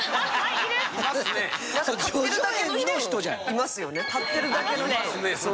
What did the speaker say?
いますよね立ってるだけの人。